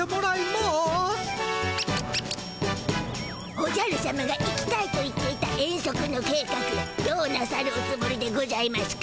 おじゃるしゃまが行きたいと言っていた遠足の計画どうなさるおつもりでございましゅか。